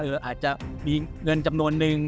อาจจะมีเงินจำนวนนึง